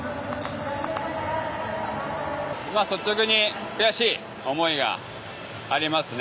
率直に悔しい思いがありますね。